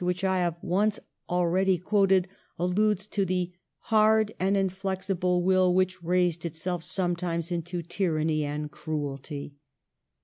which I have once already quoted alludes to the "hard and inflexible will which raised itself sometimes into tyranny and cruelty."